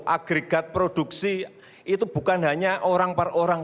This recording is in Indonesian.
agregat produksi itu bukan hanya orang per orang